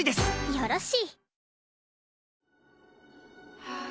よろしい！